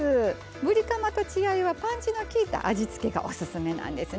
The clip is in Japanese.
ぶりカマと血合いはパンチのきいた味付けがおすすめなんですね。